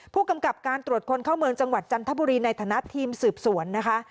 ผู้กำกับการตรวจคนเข้าเมืองจังหวัดจันทบุรีในฐานะทีมสืบสวนนะคะ